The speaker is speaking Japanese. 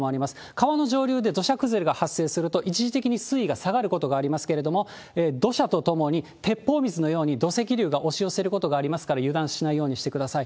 川の上流で土砂崩れが発生すると、一時的に水位が下がることがありますけれども、土砂とともに鉄砲水のように土石流が押し寄せることがありますから、油断しないようにしてください。